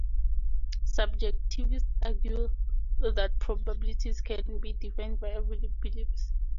Subjectivists argue that probabilities can be defined via beliefs.